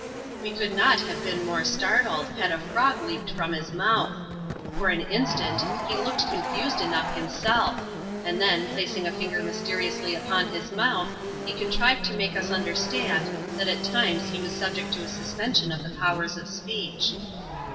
We could not have been more startled, had a irog leaped from his mouth. For an instant, he looked confused enough liimself ; and then, placing a finger mysteriously upon his montii, he contrived to make us understand, that at times he was sulgect to a suspension of the powers of speech.